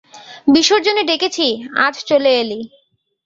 বিসর্জনে ডেকেছি, আজ চলে এলি!